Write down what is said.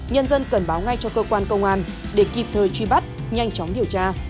nhân dân cần báo ngay cho cơ quan công an để kịp thời truy bắt nhanh chóng điều tra